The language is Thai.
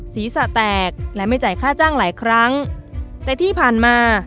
ศีรษะแตกและไม่จ่ายค่าจ้างหลายครั้งแต่ที่ผ่านมา